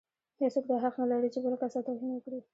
هيڅوک دا حق نه لري چې بل کس ته توهين وکړي.